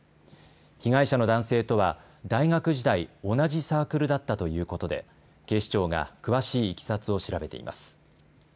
被害者の男性とは大学時代、同じサークルだったということで警視庁が詳しいいきさつを調べています。